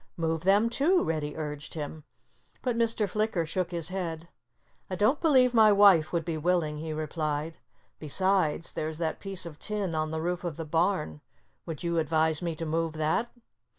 "Move them too!" Reddy urged him. But Mr. Flicker shook his head. "I don't believe my wife would be willing," he replied. "Besides, there's that piece of tin on the roof of the barn. Would you advise me to move that?"